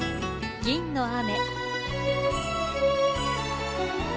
「銀の雨」。